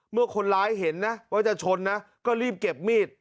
เมื่อคนร้ายเห็นนะว่าจะชนนะก็รีบเก็บมีด